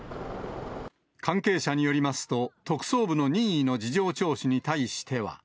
関係者によりますと、特捜部の任意の事情聴取に対しては。